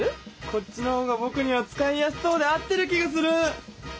こっちのほうがぼくには使いやすそうで合ってる気がする！